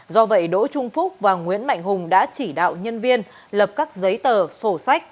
do vậy đỗ trung phúc và nguyễn mạnh hùng đã chỉ đạo nhân viên lập các giấy tờ sổ sách